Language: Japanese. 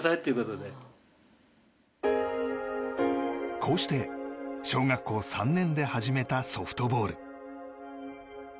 こうして小学校３年で始めたソフトボール。